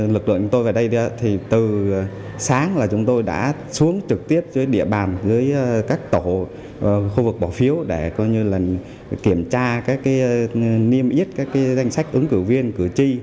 lực lượng tôi về đây từ sáng chúng tôi đã xuống trực tiếp với địa bàn với các tổ khu vực bỏ phiếu để kiểm tra niêm yết các danh sách ứng cử viên cử tri